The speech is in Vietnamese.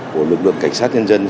của lực lượng cảnh sát nhân dân